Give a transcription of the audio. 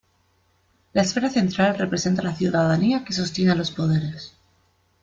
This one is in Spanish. La esfera central representa la ciudadanía que sostiene a los poderes.